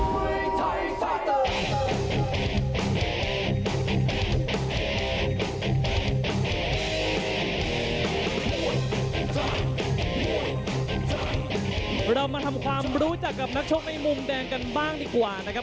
ปุ๊บน้ำเงินจักรรมนักชกในมุมแดงกันดีกว่านะครับ